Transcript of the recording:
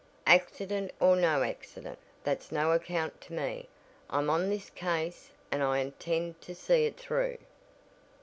"Accident or no accident, that's no account to me. I'm on this case, and I intend to see it through."